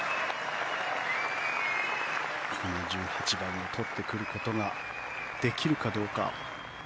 この１８番を取ってくることができるかどうか。